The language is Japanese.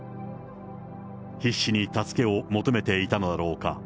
必死に助けを求めていたのだろうか。